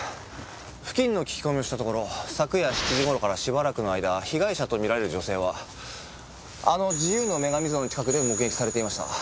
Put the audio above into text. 付近の聞き込みをしたところ昨夜７時頃からしばらくの間被害者とみられる女性はあの自由の女神像の近くで目撃されていました。